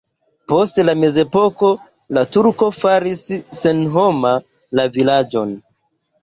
Post la mezepoko la turkoj faris senhoma la vilaĝon.